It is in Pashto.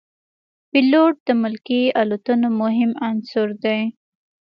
پیلوټ د ملکي الوتنو مهم عنصر دی.